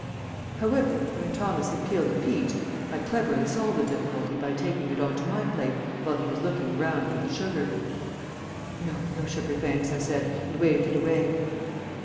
However, when Thomas had peeled the peach, I cleverly solved the difficulty by taking it on to my plate while he was looking round for the sugar. "No, no sugar, thanks," I said, and waved it away.